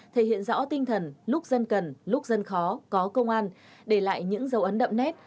thể hiện rõ tinh thần lúc dân cần lúc dân khó có công an để lại những dấu ấn đậm nét